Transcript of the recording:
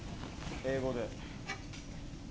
英語で。